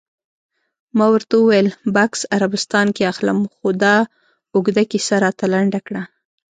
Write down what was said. ما ورته وویل: بکس عربستان کې اخلم، خو دا اوږده کیسه راته لنډه کړه.